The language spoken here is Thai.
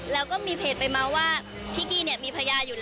แล้วก็มีเพจไปเมาส์ว่าพี่กี้เนี่ยมีภรรยาอยู่แล้ว